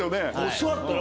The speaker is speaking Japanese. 座ったら？